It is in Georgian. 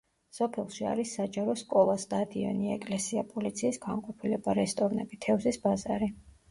სოფელში არის საჯარო სკოლა, სტადიონი, ეკლესია, პოლიციის განყოფილება, რესტორნები, თევზის ბაზარი.